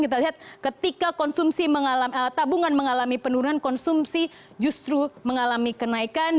kita lihat ketika tabungan mengalami penurunan konsumsi justru mengalami kenaikan